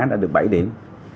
đã được bảy điểm